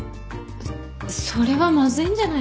えっそれはまずいんじゃないの？